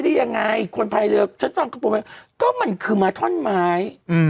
ที่ยังไงคนภายเรือกฉันฟังก็บอกว่าก็มันคือมาท่อนไม้อืม